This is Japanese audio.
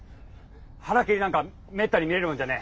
腹切りなんかめったに見れるもんじゃねえ。